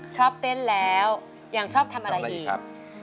ชอบเต้นแล้วอย่างชอบทำอะไรอีกครับ